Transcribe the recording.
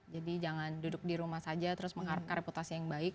jadi jangan duduk di rumah saja terus mengharapkan reputasi yang baik